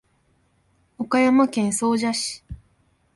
岡山県総社市